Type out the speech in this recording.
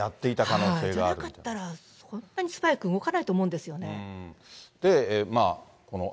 それじゃなかったら、そんなに素早く動かないと思うんですよね。